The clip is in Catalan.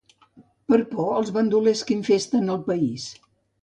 Per por als bandolers que infesten el país.